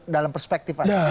dalam perspektif anda